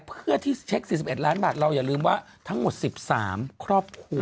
เพื่อที่เช็คสี่สิบเอ็ดล้านบาทเราอย่าลืมว่าทั้งหมดสิบสามครอบครัว